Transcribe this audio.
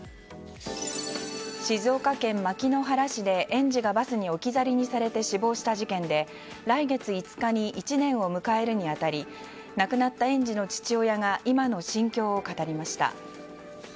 静岡県牧之原市で、園児がバスに置き去りにされて死亡した事件で来月５日に１年を迎えるにあたり亡くなった園児の父親が今の心境を語りました。